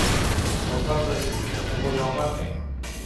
بوتل د علمي تجربو یوه برخه ده.